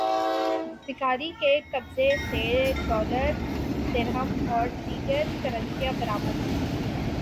بھکاری کے قبضے سے ڈالرز، درہم اور دیگر کرنسیاں برآمد ہوئیں